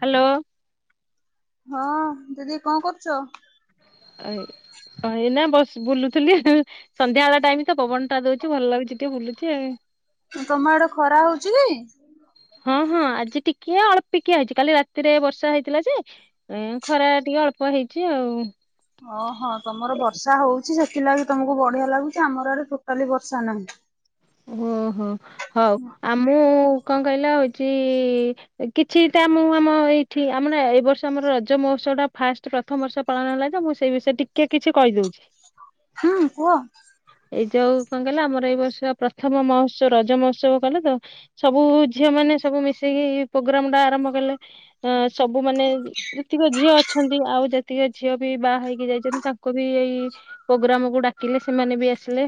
Hello. ହଁ ଦିଦି କଣ କରୁଚ? ଏଇନା ବ ବୁଲୁଥିଲି ଆଉ ସନ୍ଧ୍ୟା ବେଳ ଟାଇମ ତ ପବନ ଟା ଦଉଚି ଭଲ ଲାଗୁଚି ଟିକେ ବୁଲୁଚି ଆଉ ତମ ଆଡେ ଖରା ହଉଚି? ହଁ ହଁ ଆଜି ଟିକେ ଅଳ୍ପିକିଆ ହେଇଛି କାଲି ରାତିରେ ବର୍ଷା ହେଇଥିଲା ଯେ ଏ ଖରା ଟିକେ ଅଳ୍ପ ହେଇଚି ଆଉ ଓହୋ ତମର ବର୍ଷା ହଉଚି ସେଥିଲାଗି ତମକୁ ବଢିଆ ଲାଗୁଚି ଆମର ଇଆଡେ ଟୋଟାଲି ବର୍ଷା ନାହିଁ ଓହୋ ହଉ ଆଉ ମୁଁ କଣ କହିଲ ହଉଚି କିଛିଟା ମୁଁ ଆମ ଏଇଠି ଆମ ଏଇ ବର୍ଷ ଆମର ରଜ ମହୋତ୍ସବ ଟା ଫାଷ୍ଟ ପ୍ରଥମ ବର୍ଷ ପାଳନ ହେଲା ତ ମୁଁ ସେଇ ବିଷୟରେ ଟିକେ କିଛି କହିଦଉଚି ହୁଁ କୁହ? ଏଇ ଯୋଉ କଣ କହିଲ ଆମର ଏଇ ବର୍ଷ ପ୍ରଥମ ମହୋତ୍ସବ ରଜ ମହୋତ୍ସବ କଲେ ତ ସବୁ ଝିଅ ମାନେ ସବୁ ମିଶିକି ପୋଗ୍ରାମ ଟା ଆରମ୍ଭ କଲେ ଅ ସବୁ ମାନେ ଯେତିକ ଝିଅ ଅଛନ୍ତି ଆଉ ଯେତିକ ଝିଅ ବି ବାହା ହେଇକି ଯାଇଛନ୍ତି ତାଙ୍କୁ ବି ଏଇ ପୋଗ୍ରାମ କୁ ଡାକିଲେ ସେମାନେ ବି ଆସିଲେ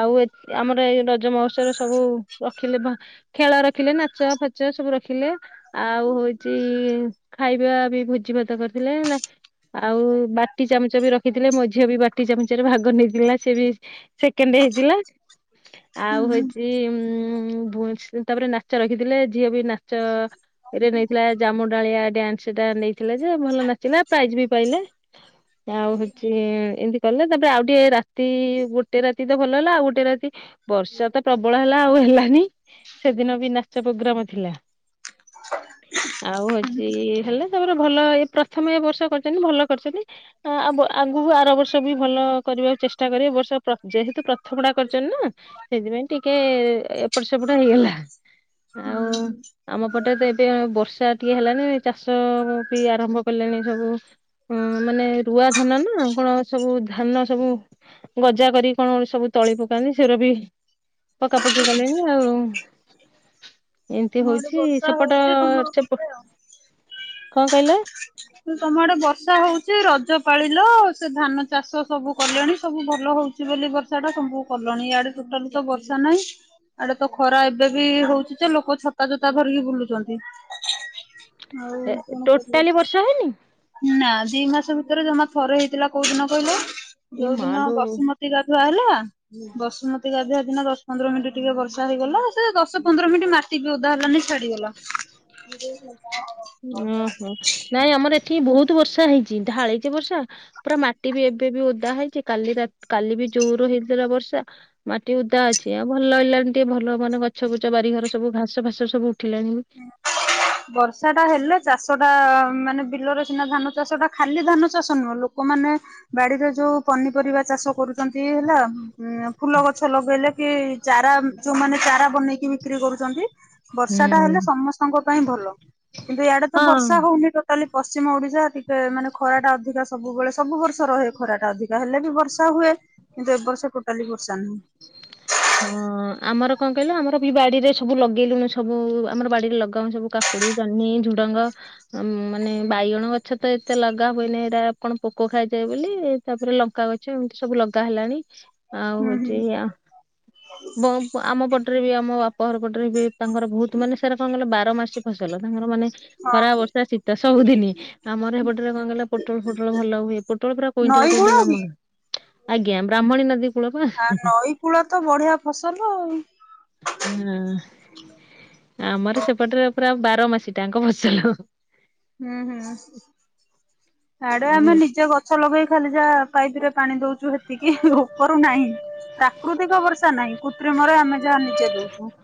ଆଉ- ଆମର ଏଇ ରଜ ମହତ୍ସବରେ ସବୁ ରଖିଲେ- ଖେଳ ରଖିଲେ ନାଚ ଫାଚ ସବୁ ରଖିଲେ ଆଉ ହଉଚ ଖାଇବା ବି ଭୋଜି ଭାତ କରିଥିଲେ ନା ଆଉ ବାଟି ଚାମଚ ବି ରଖିଥିଲେ ମୋ ଝିଅ ବି ବାଟି ଚାମଚରେ ଭାଗ ନେଇଥିଲା ସେ ବି- ସେକେଣ୍ଡ ହେଇଥିଲା ହୁଁ ଆଉ ହୁଁ ହଉଛି ଉଁ ତାପରେ ନାଚ ରଖିଥିଲେ ଝିଅ ବି ନାଚ- ଏଇରେ ନେଇଥିଲା ଜାମୁ ଡାଳିଆ ଡ୍ୟାନ୍ସ ଟା ନେଇଥିଲା ଯେ ଭଲ ନାଚିଲା ପ୍ରାଇଜ ବି ପାଇଲା। ଆଉ ହଉଛି ଏମିତି କଲେ ତାପରେ ଆଉ ଟିକେ ରାତି ଗୋଟେ ରାତି- ରାତି ତ ଭଲ ହେଲା ଆଉ ଗୋଟେ ରାତି ବର୍ଷା ତ- ପ୍ରବଳ ହେଲା ଆଉ ହେଲାନି ସେଦିନ ବି ନାଚ ପୋଗ୍ରାମ ଥିଲା। ଆଉ ହଉଛି ହେଲେ ତାମର ଭଲ ଏଟା ପ୍ରଥମେ ଏ ବର୍ଷ କରିଛନ୍ତି ଭଲ କରିଛନ୍ତି ଆଗକୁ ଆର ବର୍ଷ ବି ଭଲ କରିବାକୁ ଚେଷ୍ଟା କରିବ ଏବର୍ଷ ଯେହେତୁ ପ୍ରଥମ ଟା ସେଥିପାଇଁ ଟିକେ ଏପଟ ସେପଟ ହେଇଗଲା ଆଉ ହୁଁ ହୁଁ ଆମ ପଟେ ତ ଏବେ ବର୍ଷା ଟିକେ ହେଲାନି ଚାଷ ବି ଆରମ୍ଭ କଲେଣି ସବୁ। ହଁ ମାନେ ରୁଆ ଧାନ ନା କଣ ସବୁ ଧାନ ସବୁ ଗଜା କରି କଣ ସବୁ ତଳି ପକ କି ସେଉରା ବି ପକା ପକି କଲେଣିି ଆଉ ଏମିତି ଆମ ଆଡେ ହଉଛି ବର୍ଷା ସେପଟ ହେଉଛି ଯେ ଧାନ ସେପ ରୋଇବେ କଣ କହିଲ ଆଉ। ତମ ଆଡେ ବର୍ଷା ହଉଚ଼ି ରଜ ପାଳିଲ ସେ ଧାନ ଚାଷ ସବୁ କଲେଣି ସବୁ ଭଲ ହଉଚ଼ି। ବର୍ଷା ଟା ତମକୁ କଲଣି ଆଡେ ଟୋଟାଲ ତ ବର୍ଷା ନାହିଁ। ଆଡେ ତ ଖରା ଏବେ ବି ହଉଛି ଯେ ଲୋକ ଛତା ଜୋତା ଧରିକି ବୁଲୁଛନ୍ତି। ଆଉ ଏ କଣ କରିବେ ଟୋଟାଲି ବର୍ଷା ହେଇନି? ନା ଦି ମାସ ଭିତରେ ଜମା ଥରେ ହେଇଥିଲା କୋଉ ଦିନ କହିଲ ଏଇ ଯୋଉ ଦିନ ମାଲୋ ବସୁମତୀ ମତୀ ଗାଧୁଆ ହେଲା। ବସୁମତୀ ଗାଧୁଆ ଦିନ ଦଶ ପନ୍ଦର ମିନିଟ ଟିକେ ବର୍ଷା ହେଇଗଲା, ଦଶ ପ୍ରନ୍ଦର ମିନିଟ ମା ଓଦା ହେଲାନି ଛାଡିଗଲା। ଓହୋ ନାଇଁ ଆମର ଏଠି ବହୁତ ବର୍ଷା ହେଇଛି ଢାଳିଛି ବର୍ଷା। ପୁରା ମାଟି ବି ଏବେ ବି ଓଦା ହେଇଛି କାଲି ରା କାଲି ବି ଜୋର ହେଇଥିଲା ବର୍ଷା। ମାଟି ଓଦା ଅଛି ଆଉ ଭଲ ହେଲାଣି ଟିକେ ଭଲ ମାନେ ଗଛ ବଛ ବାରିଘର ସବୁ ଘାସ ଫାସ ସବୁ [unintelligible] ବର୍ଷା ଟା ହେଲେ ଚାଷ ଟା ମାନେ ବିଲର ସିନା ଧାନ ଚାଷ ଖାଲି ଧାନଚ଼ାଷ ନୁହେଁ ଲୋକ ମାନେ ବାଡିରେ ଯୋଉ ପନିପରିବା ଚାଷ କରୁଛନ୍ତି ହେଲା ଫୁଲ ଗଛ ଲଗେଇଲେ କି ଚାରା ଯୋଉମାନେ ଚାରା ବନେଇକି ବିକ୍ରି କରୁଛନ୍ତି ବର୍ଷା ଟା ହୁଁ। ହେଲେ ସମସ୍ତଙ୍କ ପାଇଁ ଭଲ କିନ୍ତୁ ଆଡେ ତ ହଁ। ବର୍ଷା ହଉନି କାଲି ପଶ୍ଚିମ ଓଡିଶା ଟିକେ ମାନେ ଖରାଟା ଅଧିକ ସବୁବେଳେ ସବୁ ବର୍ଷ ରହେ ଖରାଟା ଅଧିକା। ହେଲେ ବି ବର୍ଷା ହୁଏ କିନ୍ତୁ ଏବର୍ଷ ଟୋଟାଲି ବର୍ଷା ନାହିଁ। ହଁ ଆମର କଣ କହିଲ ଆମର ବି ବାଡିରେ ସବୁ ଲଗେଇଲୁଣି ସବୁ ଆମର ବାଡିରେ ଲଗାଉ ସବୁ ଜହ୍ନି, ଝୁଡ଼ଙ୍ଗ ମାନେ ବାଇଗଣ ଗଛ ତ ଏତେ ଲଗା ହୁଏନି ଏରା କଣ ପୋକ ଖାଇଯାଏ ବୋଲି ତାପରେ ଲଙ୍କା ଗଛ ଏମିତି ସବୁ ଲଗା ହେଲାଣି ଆଉ ହୁଁ ହୁଁ ହଉଛି ବ ଆମ ପଟରେ ବି ଆମ ବାପ ଘର ପଟରେ ବି ତାଙ୍କର ବହୁତ ମାନେ ସେରା କଁ କହିଲ ବା ବାର ମାସି ଫସଲ ତାଙ୍କର ମାନେ ଖରା ହଁ ବର୍ଷା ଶୀତ ସବୁଦିନ ଆମର ହେପ କଁ କହିଲ ପୋଟଳ ଫୋଟଳ ଭଲ ହୁଏ, ପୋଟଳ ପୁରା କୁଇଂଟାଲ ନଈ କୂଳ କୁଇଂଟାଲ କି ଆମ ଘରେ। ଆଜ୍ଞା ବ୍ରାହ୍ମଣୀ ନଦୀ କୂଳ ପା। କୁଳା ତ ବଢିଆ ଫସଲ ଆଉ। ହଁ ଆମର ସେପଟରେ ପୁରା ବାର ମାସି ଟାଙ୍କ ଫସଲ। ହୁଁ ହୁଁ ଆଡେ ଆମେ ଆଉ ନିଜେ ଗଛ ଲଗେଇ ଖାଲି ଯାହା ପାଇପ ରେ ପାଣି ଦଉଛୁ ହେତିକି ଉପରୁ ନାହିଁ। ପ୍ରାକୃତିକ ବର୍ଷା ନାହିଁ କୃତ୍ରିମରେ ଆମେ ଯାହା ନିଜେ ଦଉଚୁ।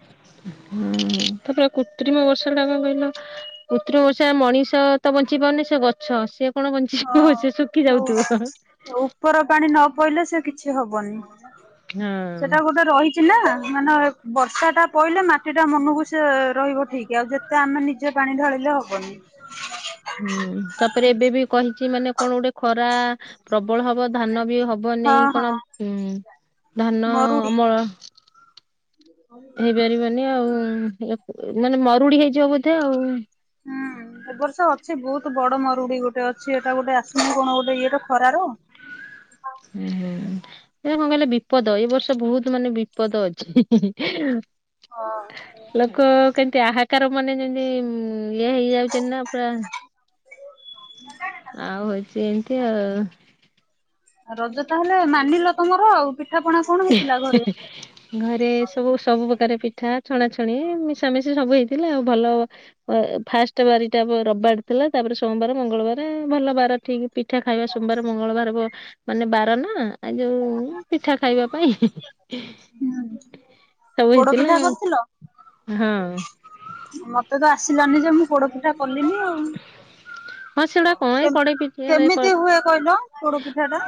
ହୁଁ ତାପରେ କୃତ୍ରିମ ବର୍ଷା ଟା କଁ କହିଲ କୃତିମ ବର୍ଷାରେ ମଣିଷତ ବଞ୍ଚିପାରୁନି ସେ ଗଛ ସେ କଣ ହଁ। ବଞ୍ଚିଯିବ ସେ ଶୁଖି ଯୋଉ ଯାଉଥିବ। ଉପର ପାଣି ନ ପଇଲେ ସେ କିଛି ହବନି ହଁ। ସେଟା ଗୋଟେ ରହି ଚି ନା ମାନେ ବର୍ଷା ଟା ପଇଲେ ମାଟି ଟା ମନକୁ ସିଏ ରହିବ ଠିକ ଆଉ ଯେ ତ ଆମେ ନିଜେ ପାଣି ଢାଳିଲେ ହବନି। ହୁଁ ତାପରେ ଏବେ ବି କହିଛି ମାନେ କଣ ଗୋଟେ ଖରା ପ୍ରବଳ ହବ ଧାନ ବି ହ ବ ହଁ ନେଇ ହଁ କଣ ଉଁ ଧାନ ମରୁଡି ଅମଳ ହେଇପାରିବନି ଆଉ ମାନେ ମରୁଡି ହେଇଯିବ ବୋଧେ ଆଉ। ହୁଁ ଏ ବର୍ଷ ଅଛି ବହୁତ ବଡ ମରୁଡି ଗୋଟେ ଅଛି ଏଟା ଗୋଟେ ଆସିବ କଣ ଗୋଟେ ଇଏର ଖରାର। ହୁଁ, ହୁଁ। ଏ କଣ କହିଲେ ବିପଦ ଏଇ ବର୍ଷ ବହୁତ ମାନେ ବିପଦ ଅଛି। ହଁ ଲୋକ କେମତି ଆହାକାର ମାନେ ଯେମିତି ମୁଁ ଇଏ ହେଇଯାଉଛନ୍ତି ନା ପୁରା ଆଉ ହଉଛି ଏମିତି ଆଉ। ରଜ ତାହେଲେ ମାନିଲ ତମର ଆଉ। ପିଠା ପଣା କଣ ହେଇଥିଲା ଘରେ? [inaudible] ଘରେ ସବୁ ସବୁ ପ୍ରକାର ପିଠା ଛଣାଛଣି ମିଶାମିଶି ସବୁ ହେଇଥିଲା ଆଉ ଭଲ ଏ ଫାଷ୍ଟ ବାରିଟା ରବିବାର ଥିଲା ତାପରେ ସୋମବାର ମଙ୍ଗଳବାର ଭଲ ବାର ଠିକ୍ ପିଠା ଖାଇବା ସୋମବାର, ମଙ୍ଗଳବାର ବ ମାନେ ବାର ନାଁ, ଆ ଯୋଉ ପିଠା ଖାଇବା ପାଇଁ। ସବୁ ହେଇଥିଲା ପୋଡପିଠା କରିଥିଲ ହଁ। ମତେ ତ ଆସିଲାନି ଯେ ମୁଁ ପୋଡ଼ ପିଠା କଲିନି ଆଉ। ହଁ ସେଗୁଡା କଣ ଏଇ କେମ୍, କଡେଇ ପିଠାରେ କେମିତି ହୁଏ କହିଲ ପୋଡ଼ପିଠାଟା?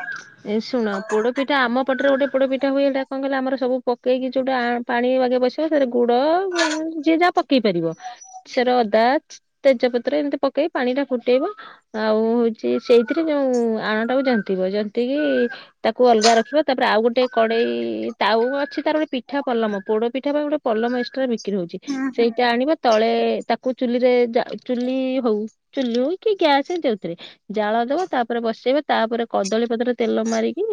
ଏ ଶୁଣ, ପୋଡ଼ ପିଠା ଆମ ପଟରେ ଗୋଟେ ପୋଡ଼ପିଠା ହୁଏ ହେଟା କଣ କହିଲେ ଆମର ସବୁ ପକେଇକି ଯୋଉଟା ଆଁ ପାଣି ବାଗେ ବସି [unintelligible] ଗୁଡ ଯିଏ ଯାହା ପକେଇ ପାରିବ, ସେର ଅଦା, ତେଜପତ୍ର ଏମିତି ପ କେଇ ପାଣିଟା ଫୁଟେଇବ, ଆଉ ହଉଛି ସେଇଥିରେ ଯୋଉଁ ଆଣଟାକୁ ଜନ୍ତିବ, ଜ ନ୍ତିକି ତାକୁ ଅଲଗା ରଖିବ ତାପରେ ଆଉ ଗୋଟେ କଡେଇ ତାୱା ଅଛି ତାର ବେ ପିଠା ପଲମ, ପୋଡ଼ ପିଠା ପାଇଁ ଗୋଟେ ପଲମ ଏକ୍ସଟ୍ରା ବିକ୍ରି ହଉଛି ହୁଁ ହୁଁ ସେଇଟା ଆଣିବ ତଳେ ତାକୁ ଚୁଲିରେ ଚା ଚୁଲି ହଉ, ଚୁଲି ହଉ କି ଗ୍ୟାସ୍ ଯୋଉଥିରେ। ଜାଳ ଦବ ତାପରେ ବସେଇବ ତାପରେ କଦଳୀ ପତ୍ରରେ ତେଲ ମାରିକି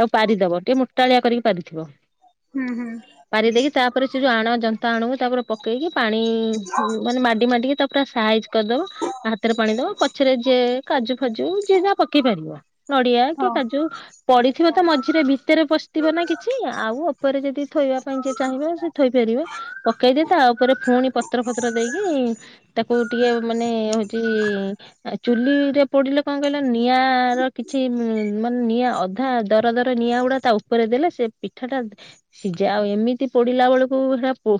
ତାକୁ ପାରିଦବ ଟିକେ ମୋଟାଳିଆ କରିକି ପାରିଥିବ। ହୁଁ, ହୁଁ। ପାରି ଦେଇକି ତାପରେ ସେ ଯୋଉ ଆଣ ଜନ୍ତା ଆଣକୁ ତାପରେ ପକେଇକି ପାଣି ମାନେ ମାଡି ମାଡିକି ତା ପୁରା ସାଇଜ୍ କରିଦବ ହାତରେ ପାଣିଦବ ପଛରେ ଯେ କାଜୁ ଫାଜୁ ଯିଏ ଯାହା ପକେଇ ପାରିବ। ନଡ଼ିଆ କି ହଉ। କାଜୁ ପଡିଥିବ ତ ମଝିରେ ବି, ଭିତରେ ପଶଥିବ ନା କିଛି। ସି ଆଉ ଓପରେ ଯଦି ଥୋଇବା ପାଇଁ ଯେ ଚାହିଁବ ସେ ଥୋଇପାରିବେ, ପକେଇଦେ ତା ଉପରେ ପୁଣି ପତ୍ର ଫତ୍ର ଦେଇକି ତାକୁ ଟିକେ ମାନେ ହଉଛି ଆ ଚୁଲିରେ ପୋଡିଲେ କଣ କହିଲ ନିଆଁର କିଛି ମ୍ ମାନେ ନିଆଁ ଅଧା ଦର ଦର ନିଆଁ ଗୁଡା ତା ଉପରେ ଦେଲେ ସେ ପିଠାଟା ସିଜେ ଆଉ ଏମିତି ପୋଡିଲା ବେଳକୁ ହେରା ପୋ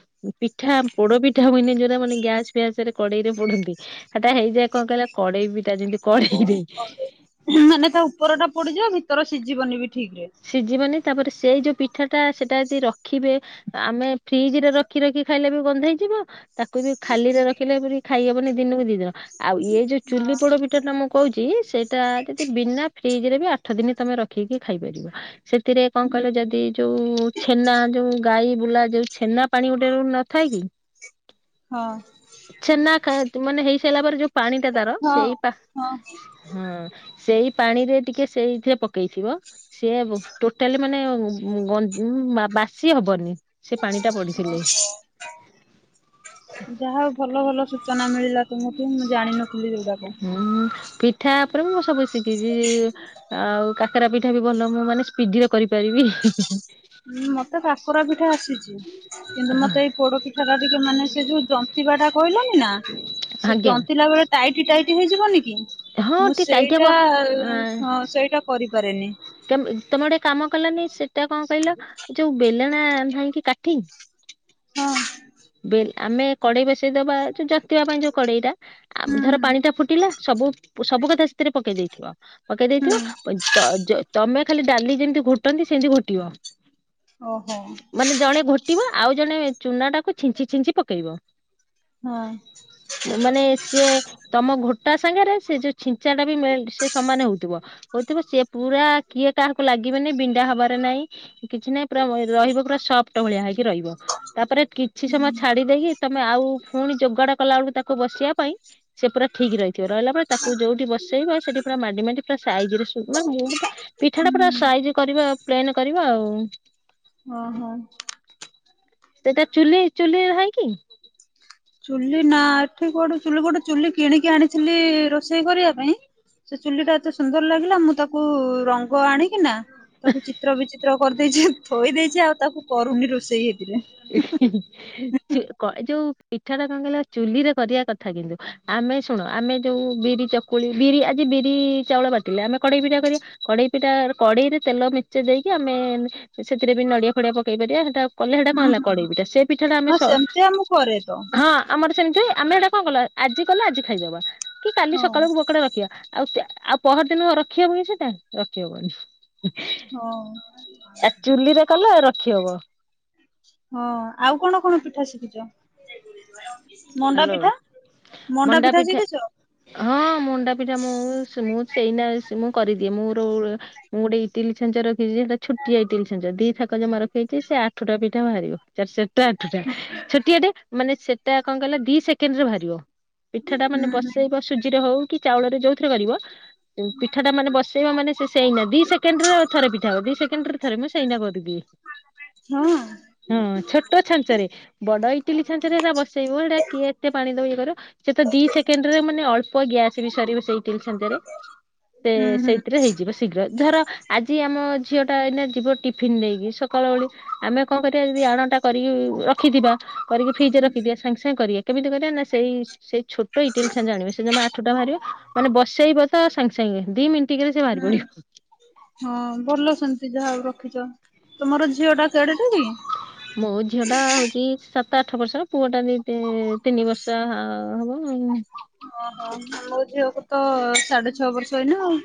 ପିଠା, ପୋଡ଼ପିଠା ହୁଏନେଇ ଯୋଉରା ମାନେ ଗ୍ୟାସ୍ ଫ୍ୟାସ୍ ରେ କଡ଼େଇରେ ପୋଡନ୍ତି, ସେଟା ହେଇଯାଏ କଣ କହିଲ କଡ଼େଇ ପିଟା ଯେମିତି କଡେଇରେ। [unintelligible] ମାନେ ତା ଉପରଟା ପୋଡିଯିବ ଭିତର ସିଝିବନି ବି ଠିକ୍ ରେ। ସିଝିବନି ତାପରେ ସେଇ ଯୋଉ ପିଠାଟା ସେଟା ଯଦି ରଖିବେ ଆମେ ଫ୍ରିଜରେ ରଖି ରଖି ଖାଇଲେ ବି ଗନ୍ଧେଇ ଯିବ ତା କୁବି ଖାଲିରେ ରଖିଲେ ଏମିତି ଖାଇହବନି ଦିନକୁ ଦି ଦିନ, ଆଉ ଇଏ ଯୋଉ ଚୁଲି ପୋଡ଼ପି ଠାଟା ମୁଁ କହୁଛି ସେଇଟା ଯଦି ବିନା ଫ୍ରିଜ୍ ରେ ବି ଆଠଦିନି ତମେ ରଖିକି ଖାଇପାରିବ। ସେଥିରେ କଣ କହିଲ ଯଦି ଯୋଉ ଛେନା ଯୋଉ ଗାଈ ବୁଲା ଯୋଉ ଛେନା ପାଣି ଗୋଟେ ନଥାଏ କି? ହଁ ଛେନା ଖାତ୍ ମାନେ ହେଇସାଇଲା ପରେ ଯୋଉ ପାଣିଟା ତାର ହଁ ସେଇ ପା ହଁ। ହଁ ସେଇ ପାଣିରେ ଟିକେ ସେଇଥିରେ ପକେଇଥିବ, ସିଏ ବ ଟୋଟାଲି ମାନେ ମୁଁ ଗନ ଉଁ ବା ବାସି ହବନି ସେ ପାଣି ଟା ପଡିଥିଲେ। ଯା ହଉ ଭଲ ଭଲ ସୂଚନା ମିଳିଲା ତୁମଠୁ ମୁଁ ଜାଣିିନଥିଲି ଏଗୁଡାକ। ହୁଁ ପିଠା ଉପରେ ମୁଁ ସବୁ ଶିଖିଛି। ଆଉ କାକରା ପିଠା ବି ଭଲ ମୁଁ ବନେ ସ୍ପିଡିରେ କରିପାରିବି। ଉଁ ମତେ କାକରା ପିଠା ଆସିଛି। କିନ୍ତୁ ମତେ ଏଇ ପୋଡ ପିଠାଟା ଟିକେ ମାନେ ସେ ଯୋଉ ଜନ୍ତିବା ଟା କହିଲନି ନା। ସେ ଆଜ୍ଞା ଜନ୍ତିଲା ବେଳେ ଟାଇଟ୍ ଟାଇଟ୍ ହେଇଯିବନି କି? ହଁ ମୁଁ ଟିକେ ଟାଇଟ୍ ହବ। ସେଇଟା ହଁ ସେଇଟା କରିପାରେନି। ତମ ତମେ ଗୋଟେ କାମ କଲାନି ସେଟା କଣ କହିଲ ଯୋଉ ବେଲଣା ନାଇଁ କିି କାଠି ହଁ ବେଲେ ଆମେ କଡେଇ ବସେଇ ଦବା ଯୋଉ ଜତିବା ପାଇଁ ଯୋଉ କଡେଇଟା ଆମ ହୁଁ ଧର ହୁଁ। ପାଣି ଟା ଫୁଟିଲା ସବୁ ସବୁ କଥା ସେଥିରେ ପକେଇ ଦେଇଥିବ ପକେଇ ଦେଇଥିବ ହୁଁ କ ତ ଯ ତମେ ଖାଲି ଡାଲି ଯେମିତି ଘୁଟନ୍ତି ସେମିତି ଘୋଟିବ ଓହୋ ମାନେ ଜଣେ ଘୋଟିବ ଆଉ ଜଣେ ଚୁନା ଟାକୁ ଛିଞ୍ଚି ଛିଞ୍ଚି ପକେଇବ। ହଁ ମାନେ ସିଏ ତମ ଘୋଟା ସାଙ୍ଗରେ ସେ ଯୋଉ ଛିଞ୍ଚା ଟା ବି ମେଲ୍ଟ ସେ ସମାନ ହଉଥିବ। ହଉଥିବ ସିଏ ପୁରା କିଏ କାହାକୁ ଲାଗିବେନି ବିଣ୍ଡା ହବାର ନାଇଁ କିଛି ନାହିଁ ପୁରା ରରହିବ ପୁରା ସଫ୍ଟ ଭଳିଆ ହେଇକି ରହିବ ତାପ କିଛି ସମୟ ଛାଡି ଦେଇକି ତମେ ଆଉ ପୁଣି ଯୋଗାଡ କଲା ଆଳକୁ ତାକୁ ବସିବା ପାଇଁ ସେ ପୁରା ଠିକ ରହିଥିବ ରହିଲା ପରେ ତାକୁ ଯୋଉଠି ବସେଇବ ସେଠି ପୁରା ମାଡି ମାଡି ପୁରା ସାଇଜି ରେ ଉଁ ମାନ ମୁଟେ ପିଠା ଟା ପୁରା ହୁଁ ସାଇଜ କରିବା ପ୍ଲେନ କରିବ ଆଉ ଅଁ ହଁ ସେଟା ଚୁଲି ଚୁଲି ହଏକି? ଚୁଲି ନା ଏଠି କୋଉଠି ଚୁଲି ଗୋଟେ ଚୁଲି କିଣିକି ଆଣିଥିଲି ରୋଷେଇ କରିବା ପାଇଁ ସେ ଚୁଲି ଟା ଏତେ ସୁନ୍ଦର ଲାଗିଲା ମୁଁ ତାକୁ ରଙ୍ଗ ଆଣିକି ନା ତାକୁ ଚିତ୍ର ବିଚିତ୍ର କରିଦେଇଛି ଥୋଇ ଦେଇଛି ଆଉ ତାକୁ କରୁନି ରୋଷେଇ ହେଇଥିରେ। ଇ ଇ ସେ କ ଯୋଉ ପିଠା ଟା କଣ କିହିଲ ଚୁଲିରେ କରିବା କଥା କିନ୍ତୁ ଆମେ ଶୁଣ ଆମେ ଯୋଉ ବିରି ଚକ କୁଳି ବିରି ଆଜି ବିରି ଚାଉଳ ବାଟିଲେ ଆମେ କଡେଇ ପିଠା କରିବା କଡ଼େଇ ପିଟା ର କଡ଼େଇରେ ତେଲ ମି ସେ ଦେଇକି ଆମେ ସେଥିରେ ବି ନଡିଆ ଫଡିଆ ପକେଇ ପାରିବା ସେଟା କଲେ ସେଟା କଣ ହୁଁ ହେଲା ହୁଁ କଡେଇ ପିଠା ସେ ପିଠା ଟା ଆମେ ହଁ ସ ସେମିତିଆ ମୁଁ କରେ ତ ହଁ। ଆମର ସେମିତି ଆମେ ଏଇଟା କଣ କଲା ଆଜି କଲେ ଆଜି ଖାଇଦବା କି କାଲି ହଁ ସକାଳକୁ ବକଟେ ରଖିବା। ଆଉ କିଆ ଆଉ ପହରଦିନ ରଖି ହବନି ସେଇଟା ରଖିହବନି। ହଁ। ଇ ଆ ଚୁଲିରେ କଲେ ରଖି ହବ। ହଁ ଆଉ କଣ କଣ ପିଠା ଶିଖିଛ? ମଣ୍ଡା ହ୍ୟାଲୋ ପିଠା ମଣ୍ଡା ପିଠା ଶିଖିଛ? ହଁ ମୁଣ୍ଡା ପିଠା ମୁଁ ସ ମୁଁ ସେଇନା ସ ମୁଁ କରିଦିଏ ମୋର ମୁଁ ଗୋଟେ ଇଟିଲି ଛାଞ୍ଚ ରଖିଛି ଯେ ସେଟା ଛୋଟିଆ ଇଟିଲି ଛାଞ୍ଚ ଦିଥାକ ଜମା ରଖେଇଛି ସେ ଆଠଟା ପିଠା ବାହାରିବ। ତାର ସେଟା ଆଠୁଟା ହୁଁ ଛୋଟିଆଟେ ମାନେ ସେଟା କଣ କହିଲ ଦି ସେକେଣ୍ଡରେ ବାହାରିବ। ପିଠା ଟା ହୁଁ ମାନେ ବସେଇବ ସୁଜିରେ ହଉ କି ଚାଉଳରେ ଯୋଉଥିରେ କରିବ ଉଁ ପିଠା ଟା ମାନେ ବସେଇବ ମାନେ ସେ ସେଇନା ଦି ସେକେଣ୍ଡ ରେ ଥରେ ପିଠା ହବ ଦି ସେକେଣ୍ଡ ଥରେ ମୁଁ ସେଇନା କରିଦିଏ। ହଁ ହଁ ଛୋଟ ଛାଞ୍ଚ ରେ ବଡ ଇଟିଲି ଛାଞ୍ଚ ରେ ସେଟା ବସେଇବ ଏଇଟା କିଏ ଏତେ ପାଣି ଦବ ଇଏ କରିବ ସେ ତ ଦି ସେକେଣ୍ଡ୍ ରେ ମାନେ ଅଳ୍ପ ଗ୍ୟାସ୍ ବି ସରିବ ସେଇ ଇଟିଲି ଛାଞ୍ଚରେ। ସେ ହୁଁ ହୁଁ ସେଇଥିରେ ହେଇଯିବ ଶୀଘ୍ର ଧର ଆଜି ଆମ ଝିଅ ଟା ଏଇନା ଯିବ ଟିଫିିନ୍ ନେଇକି ସ କାଳ ଓଳି ଆମେ କଁ କରିବା ଯଦି ଆଣଟା କରିକି ରଖିଥିବା କରିକି ଫ୍ରିଜରେ ସାଙ୍ଗେ ସାଙ୍ଗେ କରିଆ କେମିତି କରିଆ ନା ସେଇ ଛୋଟ ଇଟିଲି ଛାଞ୍ଚ ଆଣିବ ସେ ଜମା ଆଠଟା ବାହାରିବ ମାନେ ବସେଇବ ତ ସାଙ୍ଗେ ସାଙ୍ଗେ ଦି ମିନିଟ୍ କରେ ସେ ବାହାରି ହୁଁ। ପଡିବ। ହଁ ଭଲ ସେମିତି ଯାହାହଉ ରଖିଚ ତମର ଝିଅ ଟା କେଡେଟା କି? ମୋ ଝିଅ ଟା ହଉଚି ସାତ ଆଠ ବର୍ଷର ପୁଅଟା ଦି ତିନି ବର୍ଷ ହବ ଆଉ। ଓହୋ ମୋ ଝିଅକୁ ତ ସାଡେ ଛଅ ବର୍ଷ ଏଇନା ଆଉ।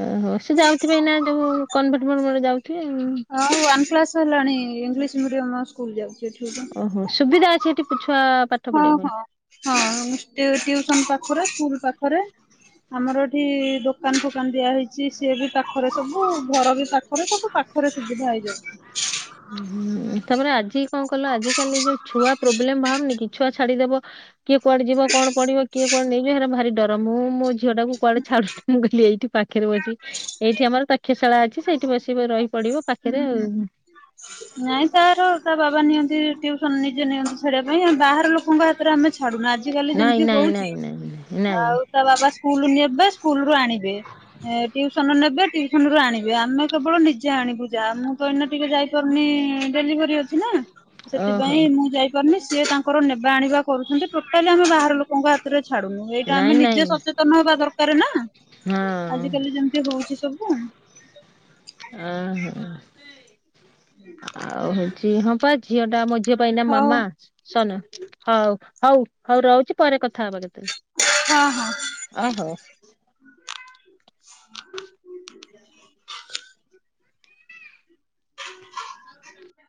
ଓହୋ ସେ ଯାଉଥିବେଏଇନା ଯୋଉ କନଭେଟ୍ ଫନ୍ ଭେଟ୍ ଯାଉଥିବେ ଉଁ। ହଁ ୱାନ୍ କ୍ଲାସ୍ ହେଲାଣି ଇଂଲିଶ ମିଡ଼ିୟମ୍ ସ୍କୁଲ୍ ଯାଉଚି ଏଠି ତ ଓହୋ ସୁବିଧା ଅଛି ସେଠି ଛୁଆ ପା ହଁ ହଁ ହଁ ହଷ୍ଟେଲ୍ ଟିଉସନ୍ ପାଖରେ ସ୍କୁଲ ପାଖରେ ଆମର ଏଠି ଦୋକାନ୍ ଫୋକାନ୍ ଦିଆ ହେଇଚି ସିଏ ବି ପାଖରେ ସବୁ ଘର ବି ପା ଖରେ ସବୁ ପାଖରେ ସୁବିଧା ହେଇଯାଉଚି। ଉଁ ହୁଁ ତାପରେ ଆଜି କଁ କଲ ଆଜି କାଲି ଯୋଉ ଛୁଆ ପ୍ରୋବ୍ଲେମ୍ ବାହାରୁନି କି ଛୁଆ ଛାଡିଦବ କିଏ କୁଆଡେ ଯିବ କଣ ପଢିବ କିଏ କୁଆଡେ଼ ନେଇଯିବ ହେରା ଭାରି ଡର ମୁଁ ମୋ ଝିଅଟାକୁ କୁଆଡେ ଛାଡୁନି ମୁଁ କହିଲି ଏଇଠି ପାଖରେ ବସି ଏଇଠି ଆମର ତକ୍ଷଶାଳା ଅଛି ସେଇଠି ବସି ରହି ପଢିବ ପାଖରେ ଆଉ। ନାଇଁ ତାର ତା ବାବା ନିଅନ୍ତି ଟି ଉସନ୍ ନିଜ ନିଅନ୍ତି ଛାଡିବା ପାଇଁ ଆମେ ବାହାର ଲୋକଙ୍କ ହାତରେ ଆମେ ଛାଡୁନା ଆଜି କାଲି ନାଇଁ ଯେମତି ନାଇଁ ହଉଚି ନାଇଁ ନାଇଁ ନାଇଁ ଆଉ ତା ବାବା ସ୍କୁଲ୍ ନେବେ ସ୍କୁଲ୍ ରୁ ଆଣିବେ। ଏ ଟିୁଉସନ ନେବେ ଟିୁଉସନ ରୁ ଆଣିବେ ଆମେ କେବଳ ନିଜେ ଆଣିବୁ ଯା ମୁଁ ଏଇନା ଟିକେ ଯାଇ ପାରୁନି ଡେଲିଭରି ଅଛି ନା ଓହୋ ସେଥିପାଇଁ ମୁଁ ଯାଇ ପାରୁନି ସିଏ ତାଙ୍କର ନେବା ଆଣିବା କରୁଛନ୍ତି ଟୋଟାଲି ଆମେ ବାହାର ଲୋକଙ୍କ ହାତରେ ଛାଡୁନୁ। ଏଇଟା ଆମେ ନାଇଁ ନିଜେ ନାଇଁ ସଚେତନ ହବା ଦରକାର ନା ଆଜି କାଲି ହଁ ଯେମତି ହଉଚି ସବୁ। ଅଁ ହଁ ଆଉ ହଉଚି ହଁ ପା ଝିଅ ଟା ମୋ ଝିଅ କହିନା ହଉ ମାମା ସନ ହଉ ହଉ ହଉ ରହୁଚି ପରେ କଥା ହବା କେତବେଳେ। ହଁ ହଁ। ଅହୋ। ଆ [inaudible] ହ [unintelligible]